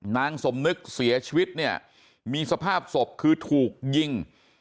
นางสมนึกเสียชีวิตเนี่ยมีสภาพศพคือถูกยิง